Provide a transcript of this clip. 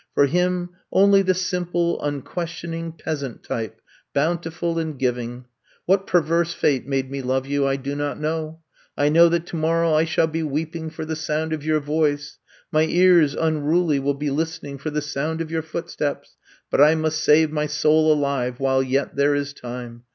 For him, only the simple, unquestioning, peasant type, bountiful and giving. What perverse fate made me love youT I do not know. I know that tomor row I shall be weeping for the sound of your voice ; my ears, unruly, will be listen ing for the sound of your footsteps. But I must save my soul alive while yet there is time.